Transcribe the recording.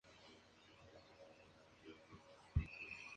Muchas de ellas son de incalculable valor.